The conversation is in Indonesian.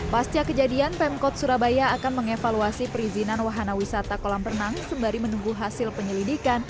pasca kejadian pemkot surabaya akan mengevaluasi perizinan wahana wisata kolam renang sembari menunggu hasil penyelidikan